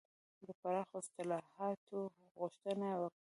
د پراخو اصلاحاتو غوښتنه یې وکړه.